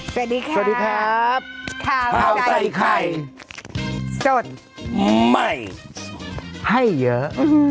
สวัสดีค่ะสวัสดีครับข้าวใส่ไข่สดใหม่ให้เยอะ